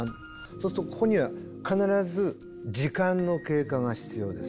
そうするとここには必ず時間の経過が必要です。